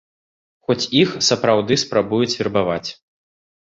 Хоць іх сапраўды спрабуюць вербаваць.